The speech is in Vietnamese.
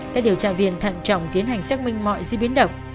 các điều tra viên thận trọng tiến hành xác minh mọi di biến động